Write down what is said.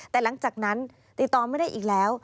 แต่หลังจากนั้นติดต่อไม่ได้อีกแล้ว